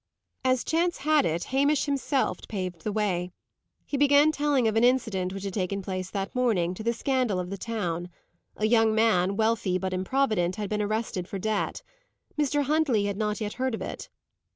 As chance had it, Hamish himself paved the way. He began telling of an incident which had taken place that morning, to the scandal of the town. A young man, wealthy but improvident, had been arrested for debt. Mr. Huntley had not yet heard of it.